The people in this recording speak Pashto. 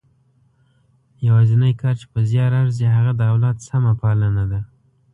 یوازنۍ کار چې په زیار ارزي هغه د اولاد سمه پالنه ده.